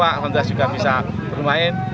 alhamdulillah juga bisa bermain